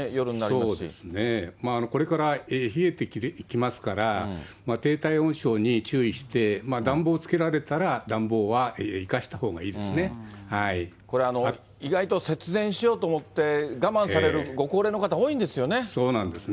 そうですね、これから冷えてきますから、低体温症に注意して、暖房をつけられたら、暖房は生かしたほうが意外と節電しようと思って、我慢されるご高齢の方、多いんですよね。